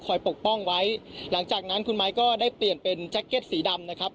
ปกป้องไว้หลังจากนั้นคุณไม้ก็ได้เปลี่ยนเป็นแจ็คเก็ตสีดำนะครับ